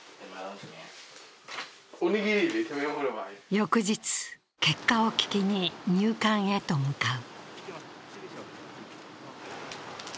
翌日、結果を聞きに入管へと向かう。